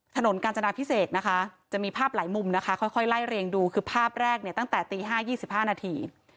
ถนนกาญจนาพิเศษนะคะจะมีภาพหลายมุมนะคะค่อยไล่เรียงดูคือภาพแรกเนี่ยตั้งแต่ตี๕๒๕นาที